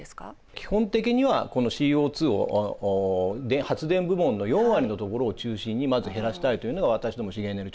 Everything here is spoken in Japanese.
基本的にはこのＣＯを発電部門の４割のところを中心にまず減らしたいというのが私ども資源エネルギー庁でございまして。